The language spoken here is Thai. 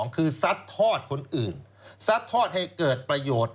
คือซัดทอดคนอื่นซัดทอดให้เกิดประโยชน์